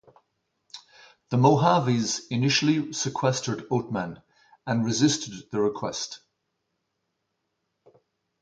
The Mohaves initially sequestered Oatman and resisted the request.